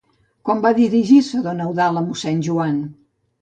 Com va dirigir-se don Eudald a mossèn Joan?